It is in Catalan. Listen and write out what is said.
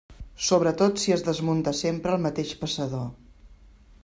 Sobretot si es desmunta sempre el mateix passador.